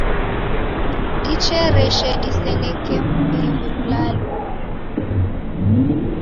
Dichereshe diseneke m'mbiw'i w'ulalo.